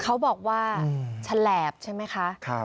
เขาบอกว่าฉลาบใช่ไหมคะ